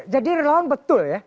jadi relawan betul ya